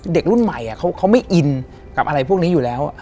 เด็กรุ่นใหม่เขาไม่อินกับอะไรพวกนี้อยู่แล้ว